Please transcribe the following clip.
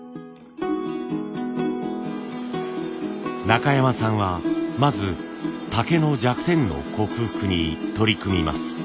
中山さんはまず竹の弱点の克服に取り組みます。